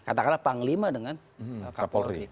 katakanlah panglima dengan kapolri